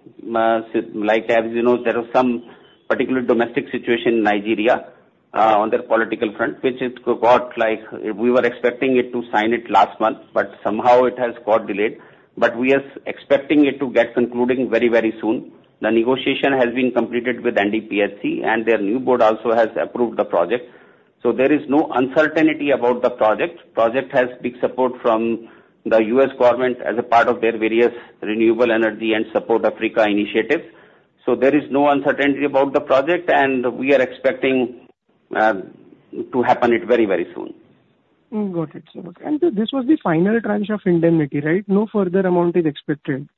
like, as you know, there were some particular domestic situation in Nigeria, on their political front, which it got like. We were expecting it to sign it last month, but somehow it has got delayed. But we are expecting it to get concluding very, very soon. The negotiation has been completed with NDPSC, and their new board also has approved the project. So there is no uncertainty about the project. Project has big support from the U.S. government as a part of their various renewable energy and Power Africa initiative. So there is no uncertainty about the project, and we are expecting it to happen very, very soon. Got it, sir. Okay, and so this was the final tranche of indemnity, right? No further amount is expected.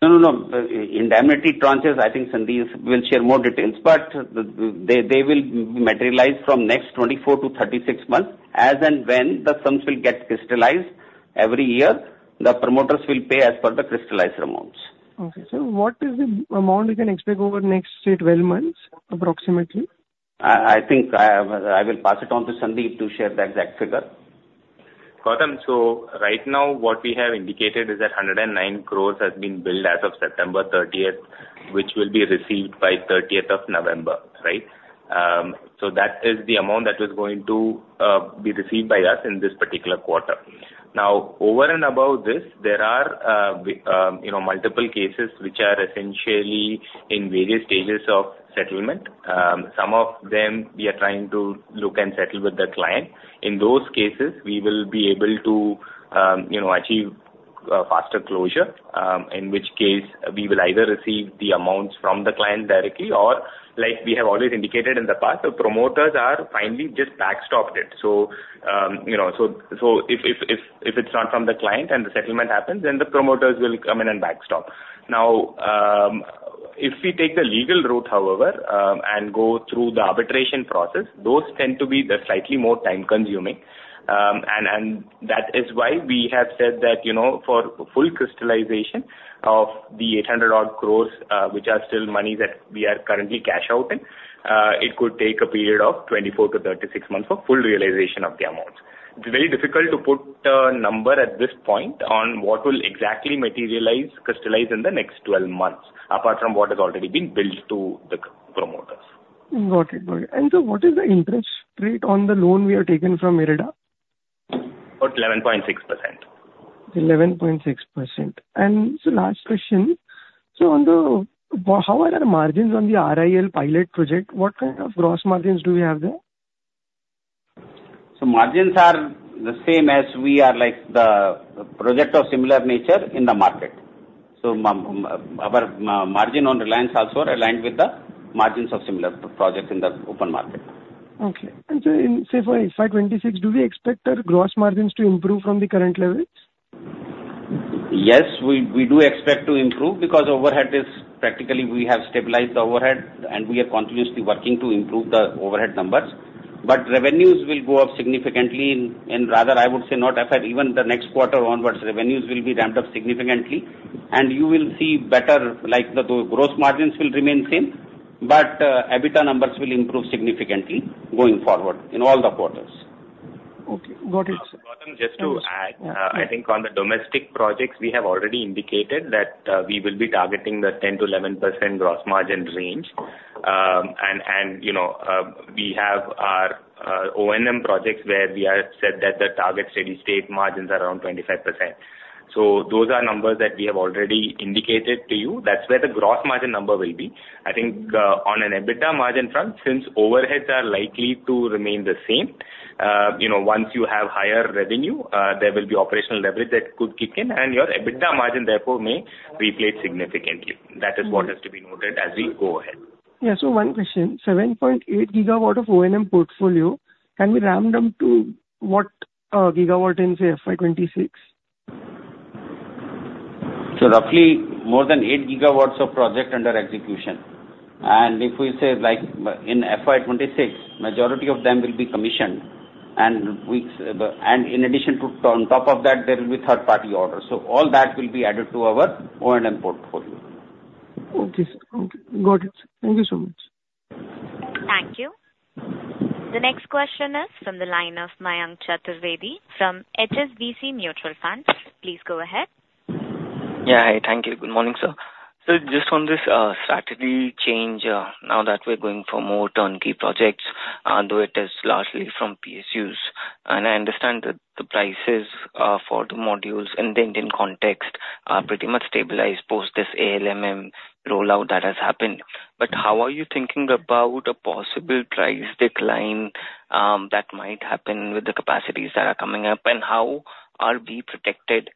No, no, no. Indemnity tranches, I think Sandeep will share more details, but they will materialize from next 24-26 months. As and when the sums will get crystallized every year, the promoters will pay as per the crystallized amounts. Okay, so what is the amount we can expect over the next, say, 12 months, approximately? I think, I will pass it on to Sandeep to share the exact figure. Gautam, so right now, what we have indicated is that 109 crore has been billed as of September 13, which will be received by thirtieth of November, right? So that is the amount that is going to be received by us in this particular quarter. Now, over and above this, there are you know multiple cases which are essentially in various stages of settlement. Some of them we are trying to look and settle with the client. In those cases, we will be able to you know achieve faster closure, in which case we will either receive the amounts from the client directly or like we have always indicated in the past, the promoters are finally just backstopped it. You know, if it's not from the client and the settlement happens, then the promoters will come in and backstop. Now, if we take the legal route, however, and go through the arbitration process, those tend to be slightly more time-consuming. That is why we have said that, you know, for full crystallization of the 800-odd crore, which are still money that we are currently cashing out in, it could take a period of 24-36 months for full realization of the amounts. It's very difficult to put a number at this point on what will exactly materialize, crystallize in the next 12 months, apart from what has already been billed to the promoters. Got it. Got it. And so what is the interest rate on the loan we have taken from IREDA? About 11.6%. 11.6%. And so, last question, so on the. How are our margins on the RIL pilot project? What kind of gross margins do we have there? Margins are the same as we are like the project of similar nature in the market. Our margin on Reliance also aligned with the margins of similar projects in the open market. Okay. And so in, say, for FY 2026, do we expect our gross margins to improve from the current levels? Yes, we do expect to improve because overhead is practically, we have stabilized the overhead and we are continuously working to improve the overhead numbers. But revenues will go up significantly, and rather, I would say not affect even the next quarter onwards, revenues will be ramped-up significantly, and you will see better. Like, the gross margins will remain same, but EBITDA numbers will improve significantly going forward in all the quarters. Okay, got it. Gautam, just to add, Yeah. I think on the domestic projects, we have already indicated that, we will be targeting the 10%-11% gross margin range. And, and, you know, we have our, O&M projects where we have said that the target steady-state margins are around 25%. So those are numbers that we have already indicated to you. That's where the gross margin number will be. I think, on an EBITDA margin front, since overheads are likely to remain the same, you know, once you have higher revenue, there will be operational leverage that could kick in, and your EBITDA margin therefore may improve significantly. That is what has to be noted as we go ahead. Yeah, so one question, seven point 8 GW of O&M portfolio, can we round them to what, gigawatt in, say, FY 2026? So roughly more than eight GW of project under execution. And if we say, like, in FY 2026, majority of them will be commissioned, and in addition to, on top of that, there will be third party orders. So all that will be added to our O&M portfolio. Okay, sir. Okay, got it. Thank you so much. Thank you. The next question is from the line of Mayank Chaturvedi from HSBC Mutual Fund. Please go ahead. Yeah, hi. Thank you. Good morning, sir. So just on this, strategy change, now that we're going for more turnkey projects, though it is largely from PSUs, and I understand that the prices, for the modules in the Indian context are pretty much stabilized post this ALMM rollout that has happened. But how are you thinking about a possible price decline, that might happen with the capacities that are coming up? And how are we protected,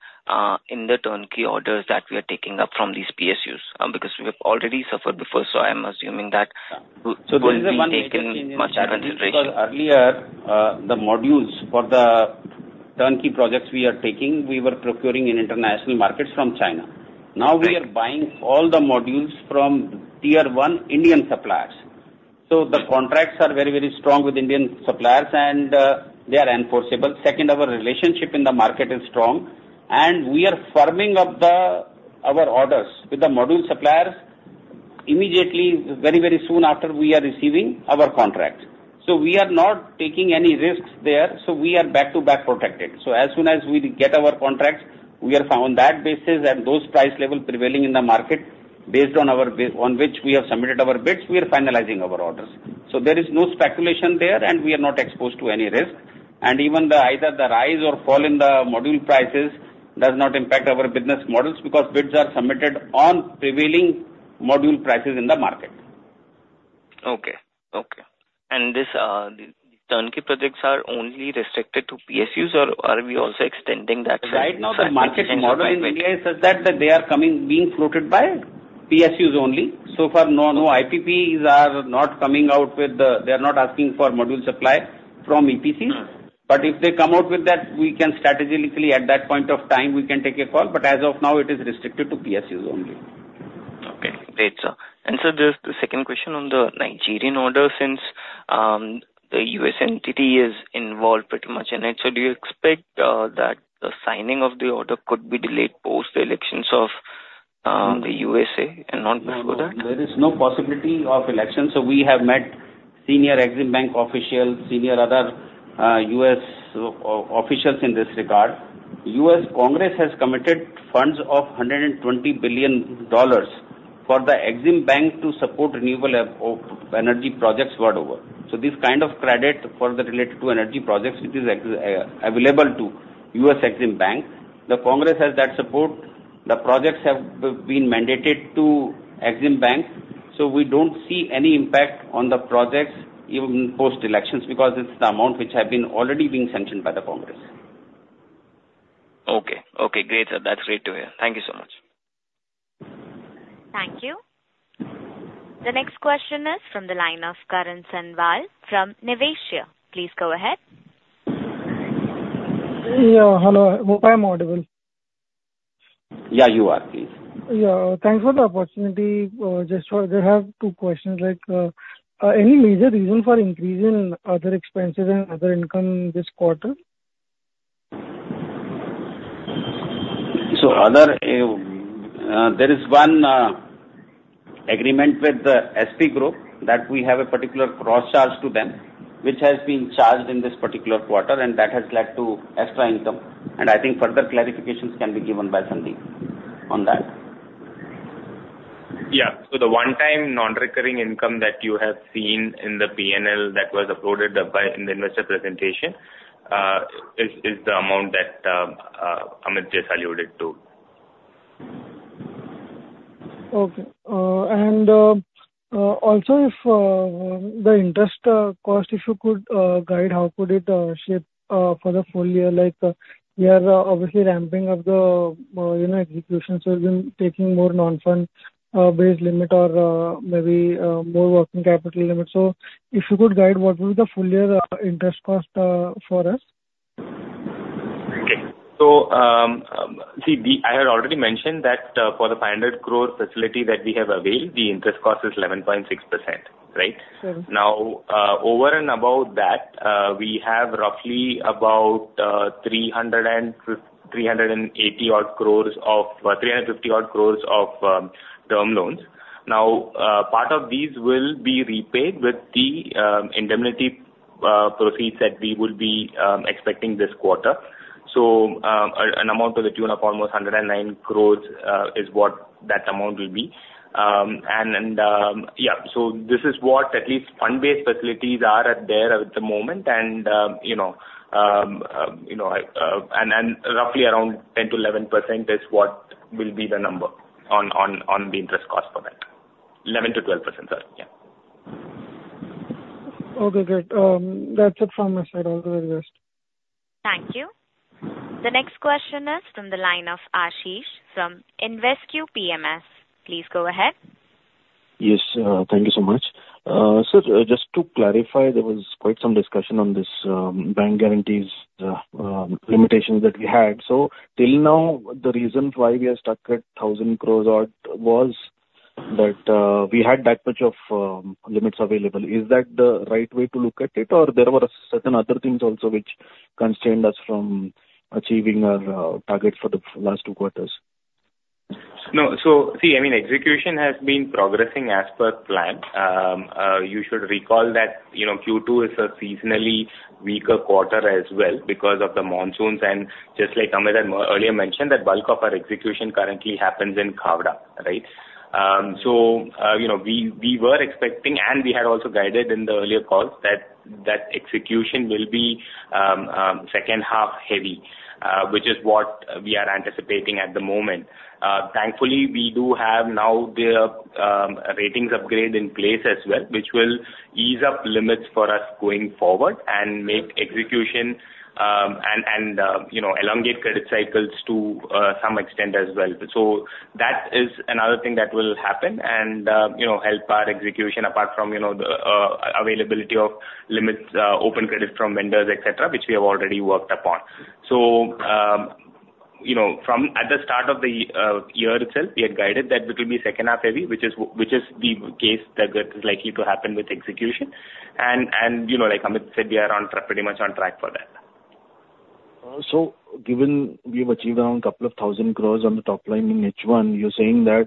in the turnkey orders that we are taking up from these PSUs? Because we have already suffered before, so I'm assuming that we will be taking much consideration. There is one interesting thing in this, because earlier, the modules for the turnkey projects we are taking, we were procuring in international markets from China. Now we are buying all the modules from tier one Indian suppliers. So the contracts are very, very strong with Indian suppliers, and they are enforceable. Second, our relationship in the market is strong, and we are firming up our orders with the module suppliers immediately, very, very soon after we are receiving our contract. So we are not taking any risks there, so we are back-to-back protected. So as soon as we get our contract, we are on that basis and those price levels prevailing in the market, based on our on which we have submitted our bids, we are finalizing our orders. So there is no speculation there, and we are not exposed to any risk. And even either the rise or fall in the module prices does not impact our business models, because bids are submitted on prevailing module prices in the market. Okay. Okay. And this turnkey projects are only restricted to PSUs, or are we also extending that same? Right now, the market model in India is such that they are coming, being floated by PSUs only. So far, no, IPPs are not coming out with the.. They are not asking for module supply from EPC. But if they come out with that, we can strategically, at that point of time, we can take a call. But as of now, it is restricted to PSUs only. Okay. Great, sir. And sir, there's the second question on the Nigerian order, since the U.S. entity is involved pretty much in it. So do you expect that the signing of the order could be delayed post the elections of the USA and not go there? No, there is no possibility of elections. So we have met senior EXIM Bank officials, senior other U.S. officials in this regard. U.S. Congress has committed funds of $120 billion for the EXIM Bank to support renewable energy projects world over. So this kind of credit for the related to energy projects, it is available to U.S. EXIM Bank. The Congress has that support. The projects have been mandated to EXIM Bank, so we don't see any impact on the projects, even post-elections, because it's the amount which have been already being sanctioned by the Congress. Okay. Okay, great, sir. That's great to hear. Thank you so much. Thank you. The next question is from the line of Karan Sanwal from Niveshaay. Please go ahead. Yeah, hello. Am I audible? Yeah, you are. Please. Yeah, thanks for the opportunity. Just so I have two questions, like, any major reason for increase in other expenses and other income this quarter? So other, there is one agreement with the SP Group, that we have a particular cross-charge to them, which has been charged in this particular quarter, and that has led to extra income. And I think further clarifications can be given by Sandeep on that. Yeah. So the one-time non-recurring income that you have seen in the P&L that was uploaded by, in the investor presentation, is the amount that Amit just alluded to. Okay. And also, if the interest cost, if you could guide how it could shape for the full year? Like, we are obviously ramping-up the, you know, execution. So we've been taking more non-fund-based limit or maybe more working capital limit. So if you could guide what will be the full year interest cost for us? Okay. So, see, I had already mentioned that, for the 500 crore facility that we have availed, the interest cost is 11.6%, right? Now, over and above that, we have roughly about 380 odd crores of 350 odd crores of term loans. Now, part of these will be repaid with the indemnity proceeds that we will be expecting this quarter. So, an amount to the tune of almost 109 crore is what that amount will be. And, yeah, so this is what at least fund-based facilities are at, there at the moment. And, you know, and roughly around 10%-11% is what will be the number on the interest cost for that. 11%-12%, sorry. Yeah. Okay, great. That's it from my side. All the very best. Thank you. The next question is from the line of Aashish from InvesQ PMS. Please go ahead. Yes, thank you so much. So just to clarify, there was quite some discussion on this, bank guarantees, limitations that we had. So till now, the reasons why we are stuck at 1,000 crores odd was that we had that much of limits available. Is that the right way to look at it, or there were certain other things also which constrained us from achieving our target for the last two quarters? No. So see, I mean, execution has been progressing as per plan. You should recall that, you know, Q2 is a seasonally weaker quarter as well because of the monsoons. And just like Amit had earlier mentioned, that bulk of our execution currently happens in Khavda, right? So, you know, we were expecting, and we had also guided in the earlier calls, that that execution will be second half heavy, which is what we are anticipating at the moment. Thankfully, we do have now the ratings upgrade in place as well, which will ease up limits for us going forward and make execution and, you know, elongate credit cycles to some extent as well. So that is another thing that will happen and, you know, help our execution apart from, you know, the availability of limits, open credit from vendors, et cetera, which we have already worked upon. So, you know, from at the start of the year itself, we had guided that it will be second half heavy, which is the case that is likely to happen with execution. And you know, like Amit said, we are pretty much on track for that. So, given we've achieved around couple of 1,000 crores on the top line in H1, you're saying that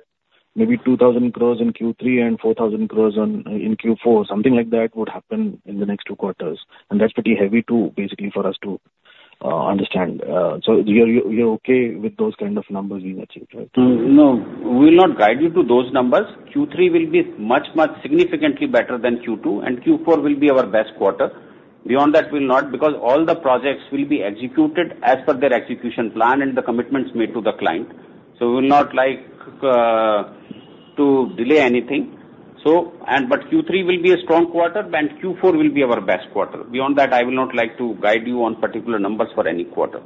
maybe 2,000 crores in Q3 and 4,000 crores in Q4, something like that would happen in the next two quarters, and that's pretty heavy to basically for us to understand. So, you're okay with those kind of numbers being achieved, right? No, we will not guide you to those numbers. Q3 will be much, much significantly better than Q2, and Q4 will be our best quarter. Beyond that, we'll not, because all the projects will be executed as per their execution plan and the commitments made to the client. So we will not like to delay anything. And, but Q3 will be a strong quarter and Q4 will be our best quarter. Beyond that, I will not like to guide you on particular numbers for any quarter,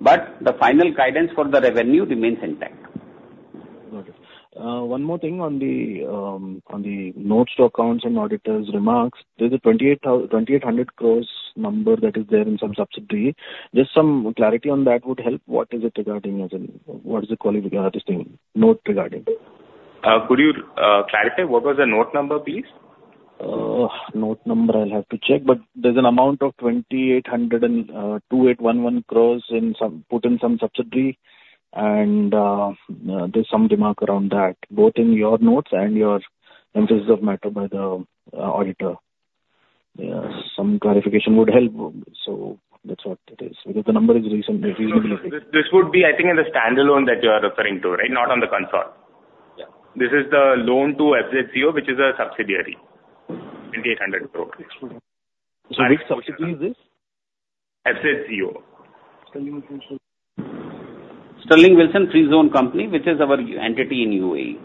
but the final guidance for the revenue remains intact. Got it. One more thing on the notes to accounts and auditors remarks, there's an 2,800 crore number that is there in some subsidiary. Just some clarity on that would help. What is it regarding, as in, what is it called? This thing, note regarding? Could you clarify what was the note number, please? Note number I'll have to check, but there's an amount of 2,800 crores and 2,811 crores in some put in some subsidiary. And there's some remark around that, both in your notes and your emphasis of matter by the auditor. Some clarification would help. So that's what it is, because the number is recent, it is. No, this would be, I think, in the standalone that you are referring to, right? Not on the consortium. Yeah. This is the loan to FZCO, which is a subsidiary in India, 100 crore. Which subsidiary is this? FZCO. Sterling Wilson. Sterling and Wilson International Solar FZCO, which is our UAE entity in UAE.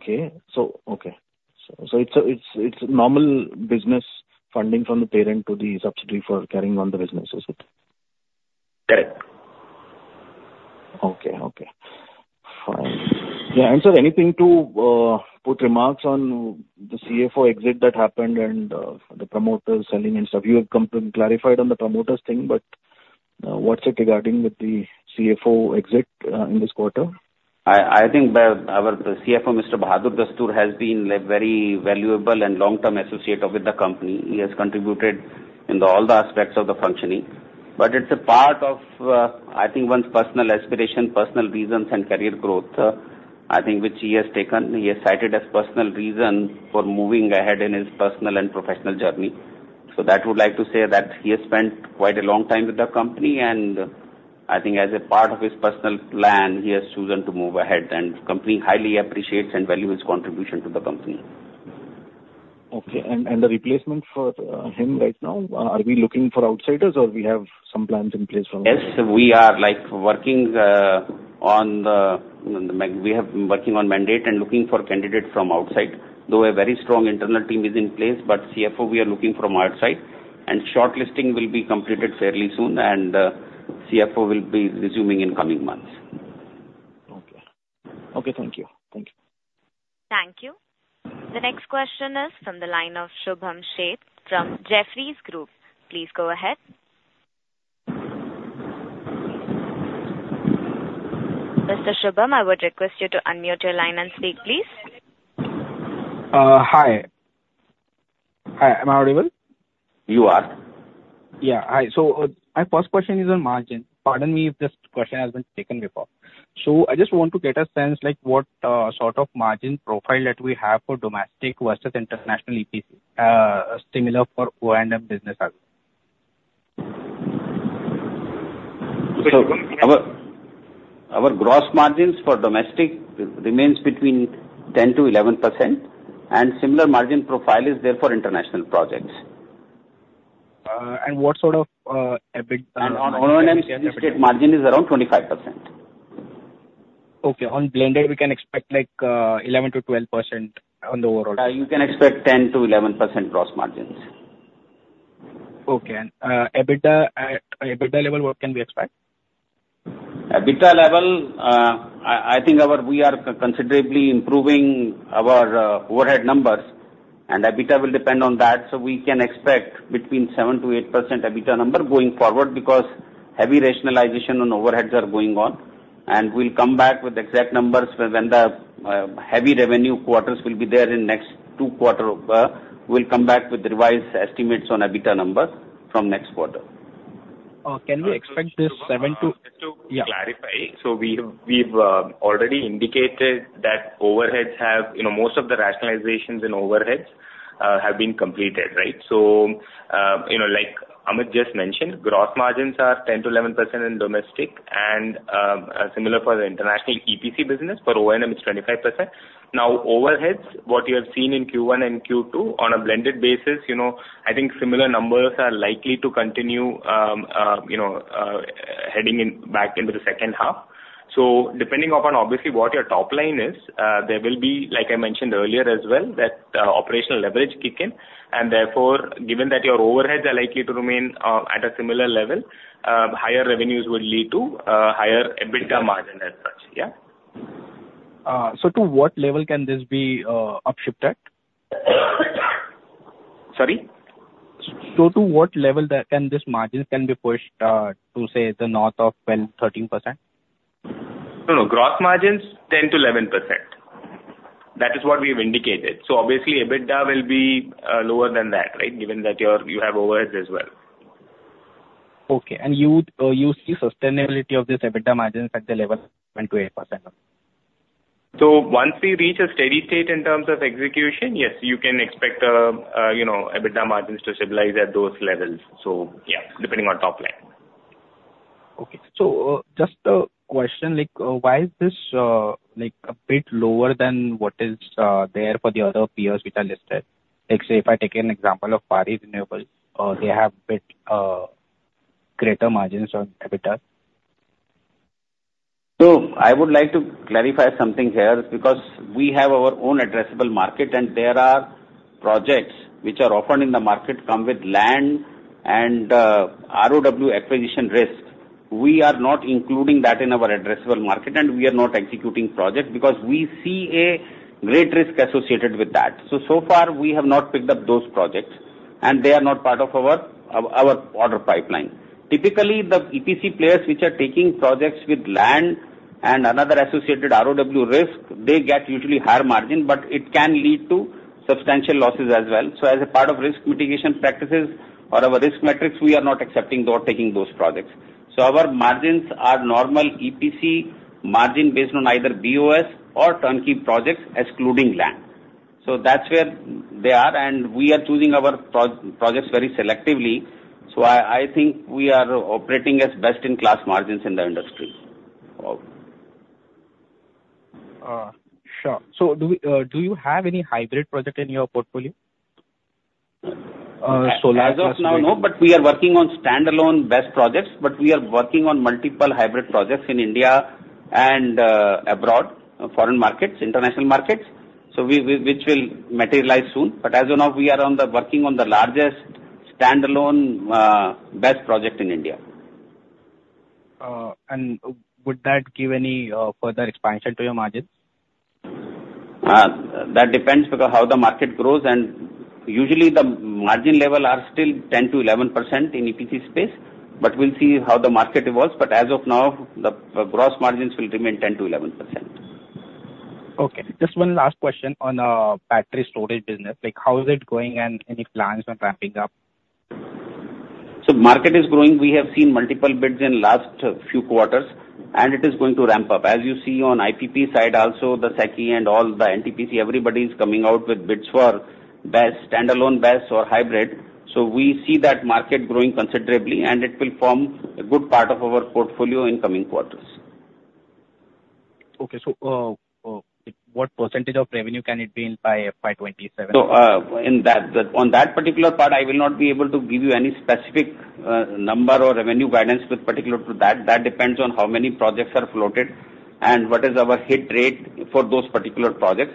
Okay. So, it's normal business funding from the parent to the subsidiary for carrying on the business, is it? Correct. Okay. Okay, fine. Yeah, and sir, anything to put remarks on the CFO exit that happened and the promoters selling and stuff. You have come to clarify on the promoters thing, but what's it regarding with the CFO exit in this quarter? I think our CFO, Mr. Bahadur Dastoor, has been a very valuable and long-term associate with the company. He has contributed in all the aspects of the functioning, but it's a part of, I think, one's personal aspiration, personal reasons and career growth, I think, which he has taken. He has cited as personal reason for moving ahead in his personal and professional journey. So that would like to say that he has spent quite a long time with the company, and I think as a part of his personal plan, he has chosen to move ahead, and company highly appreciates and value his contribution to the company. Okay, and the replacement for him right now, are we looking for outsiders, or we have some plans in place for him? Yes, we are like working on mandate and looking for candidate from outside, though a very strong internal team is in place, but CFO, we are looking from outside, and shortlisting will be completed fairly soon, and CFO will be resuming in coming months. Okay. Okay, thank you. Thank you. Thank you. The next question is from the line of Shubham Shete from Jefferies Group. Please go ahead. Mr. Shubham, I would request you to unmute your line and speak, please. Hi. Hi, am I audible? You are. Yeah. Hi. So, my first question is on margin. Pardon me if this question has been taken before. So I just want to get a sense, like, what sort of margin profile that we have for domestic versus international EPC, similar for O&M business as well? Our gross margins for domestic remain between 10%-11%, and similar margin profile is there for international projects. And what sort of EBIT? On O&M, straight margin is around 25%. Okay, on blended, we can expect, like, 11%-12% on the overall? You can expect 10%-11% gross margins. Okay, and EBITDA, at EBITDA level, what can we expect? EBITDA level, I think we are considerably improving our overhead numbers, and EBITDA will depend on that. So we can expect between 7%-8% EBITDA number going forward, because heavy rationalization on overheads are going on, and we'll come back with exact numbers when the heavy revenue quarters will be there in next two quarter. We'll come back with revised estimates on EBITDA numbers from next quarter. Can we expect this seven to? Just to clarify. Yeah. So we've already indicated that overheads have, you know, most of the rationalizations in overheads have been completed, right? So, you know, like Amit just mentioned, gross margins are 10%-11% in domestic and, similar for the international EPC business. For O&M, it's 25%. Now, overheads, what you have seen in Q1 and Q2, on a blended basis, you know, I think similar numbers are likely to continue, heading in back into the second half. So depending upon, obviously, what your top line is, there will be, like I mentioned earlier as well, that, operational leverage kick in, and therefore, given that your overheads are likely to remain, at a similar level, higher revenues will lead to, higher EBITDA margin as such. Yeah. So to what level can this be upshifted? Sorry? To what level can this margins be pushed to, say, the north of 12%-13%? No, no. Gross margins, 10%-11%. That is what we have indicated. So obviously, EBITDA will be lower than that, right? Given that you have overheads as well. Okay. And you would, you see sustainability of this EBITDA margins at the level 7%-8%? So once we reach a steady state in terms of execution, yes, you can expect, you know, EBITDA margins to stabilize at those levels. So yeah, depending on top line. Okay. So, just a question, like, why is this, like, a bit lower than what is there for the other peers which are listed? Like, say, if I take an example of Waaree Renewable, they have a bit greater margins on EBITDA. I would like to clarify something here, because we have our own addressable market, and there are projects which are offered in the market, come with land and ROW acquisition risk. We are not including that in our addressable market, and we are not executing projects, because we see a great risk associated with that. So far, we have not picked up those projects, and they are not part of our order pipeline. Typically, the EPC players which are taking projects with land and another associated ROW risk, they get usually higher margin, but it can lead to substantial losses as well. As a part of risk mitigation practices or our risk metrics, we are not accepting or taking those projects. Our margins are normal EPC margin based on either BOS or turnkey projects, excluding land. So that's where they are, and we are choosing our projects very selectively. So I think we are operating as best-in-class margins in the industry. Sure. So, do you have any hybrid project in your portfolio? Solar. As of now, no, but we are working on standalone BESS projects, but we are working on multiple hybrid projects in India and abroad, foreign markets, international markets, so which will materialize soon. But as of now, we are working on the largest standalone BESS project in India. And would that give any further expansion to your margins? That depends with how the market grows, and usually the margin level are still 10%-11% in EPC space, but we'll see how the market evolves. But as of now, the gross margins will remain 10%-11%. Okay. Just one last question on battery storage business. Like, how is it going and any plans on ramping-up? So market is growing. We have seen multiple bids in last few quarters, and it is going to ramp-up. As you see on IPP side, also, the SECI and all the NTPC, everybody is coming out with bids for BESS, standalone BESS or hybrid. So we see that market growing considerably, and it will form a good part of our portfolio in coming quarters. Okay, so, what percentage of revenue can it be in by 2027? So, in that, on that particular part, I will not be able to give you any specific, number or revenue guidance with particular to that. That depends on how many projects are floated and what is our hit rate for those particular projects.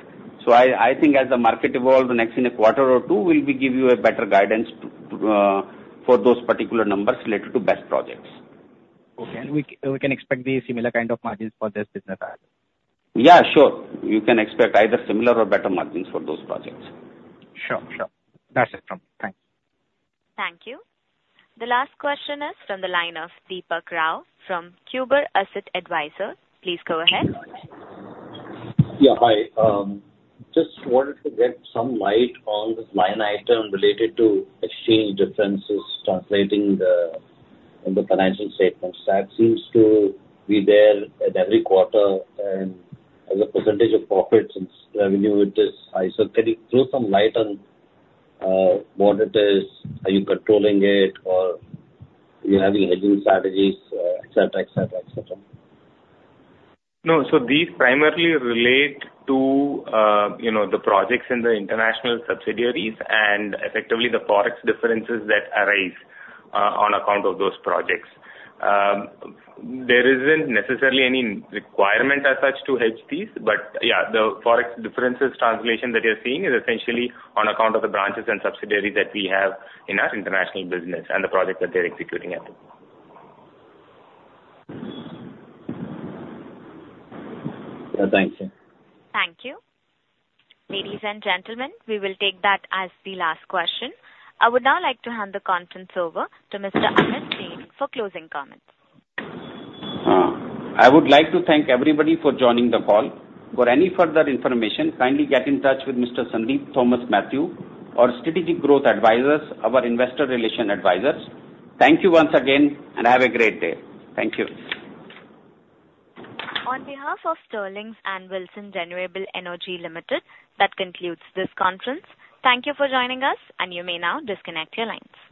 I think as the market evolves next in a quarter or two, we'll be give you a better guidance to, for those particular numbers related to BESS projects. Okay, and we can expect the similar kind of margins for this business as well? Yeah, sure. You can expect either similar or better margins for those projects. Sure. Sure. That's it from me. Thanks. Thank you. The last question is from the line of Deepak Rao from Qber Asset Advisors. Please go ahead. Yeah, hi. Just wanted to get some light on this line item related to exchange differences translating the, in the financial statements. That seems to be there at every quarter, and as a percentage of profits and revenue, it is high. So can you throw some light on, what it is? Are you controlling it, or you have any hedging strategies, et cetera, et cetera, et cetera? No, so these primarily relate to, you know, the projects in the international subsidiaries and effectively the Forex differences that arise, on account of those projects. There isn't necessarily any requirement as such to hedge these, but yeah, the Forex differences translation that you're seeing is essentially on account of the branches and subsidiaries that we have in our international business and the projects that they're executing at. Thank you. Thank you. Ladies and gentlemen, we will take that as the last question. I would now like to hand the conference over to Mr. Amit Jain for closing comments. I would like to thank everybody for joining the call. For any further information, kindly get in touch with Mr. Sandeep Thomas Mathew, our Strategic Growth Advisors, our investor relations advisors. Thank you once again, and have a great day. Thank you. On behalf of Sterling and Wilson Renewable Energy Limited, that concludes this conference. Thank you for joining us, and you may now disconnect your lines.